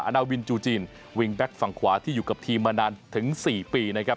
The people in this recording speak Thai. นาวินจูจีนวิงแบ็คฝั่งขวาที่อยู่กับทีมมานานถึง๔ปีนะครับ